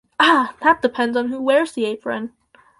Ah, that depends on who wears the apron!